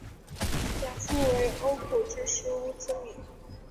养父为欧普之狮乌兹米。